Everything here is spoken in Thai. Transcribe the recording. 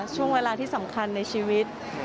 ช่วงเวลาที่สำคัญในชีวิต